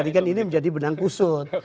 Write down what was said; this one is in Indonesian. jadikan ini menjadi benang kusut